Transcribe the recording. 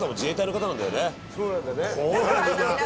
そうなんだね。